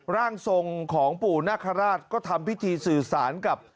ร่างทรงของปู่นาคาราชก็ทำพิธีสื่อสารกับ